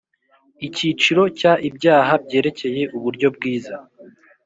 Icyiciro cya Ibyaha byerekeye uburyobwiza